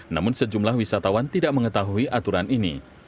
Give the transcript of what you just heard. namun sejumlah wisatawan tidak mengetahui aturan ini